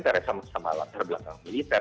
karena dia sama sama latar belakang militer